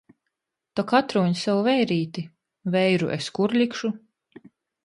Tok atrūņ sev veirīti! veiru es kur likšu??